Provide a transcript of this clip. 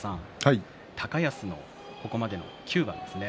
高安のここまでの９番ですね。